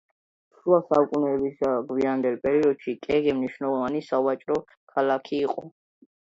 შუა საუკუნეების გვიანდელ პერიოდში კეგე მნიშვნელოვანი სავაჭრო ქალაქი იყო.